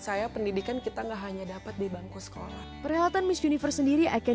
saya pendidikan kita enggak hanya dapat di bangku sekolah perhelatan miss universe sendiri akan